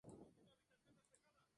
Avanza a Semifinales de Conferencia